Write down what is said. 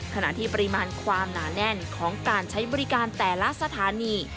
ขณะที่ปริมาณความหนาแน่นของการใช้บริการแต่ละสถานี